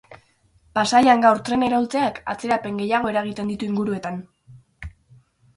Pasaian gaur trena iraultzeak atzerapen gehiago eragiten ditu Inguruetan